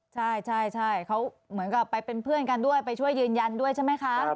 ใช่เขาเหมือนกับไปเป็นเพื่อนกันด้วยไปช่วยยืนยันด้วยใช่ไหมคะ